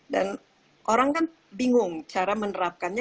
dan orang kan bingung cara menerapkannya